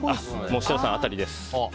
設楽さん、当たりです。